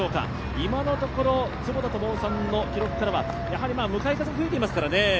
今のところ坪田智夫さんの記録からは、向かい風も吹いていますからね。